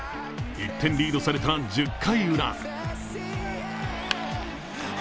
１点リードされた１０回ウラ。